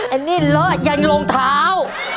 ไอ้นี่เลิศอย่างโรงเท้า